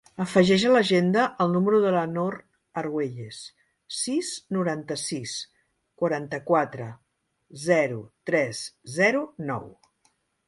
Afegeix a l'agenda el número de la Noor Arguelles: sis, noranta-sis, quaranta-quatre, zero, tres, zero, nou.